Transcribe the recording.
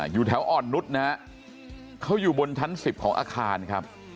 อยู่แถวอ่อนนุษย์นะฮะเขาอยู่บนชั้น๑๐ของอาคารครับ